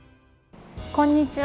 こんにちは。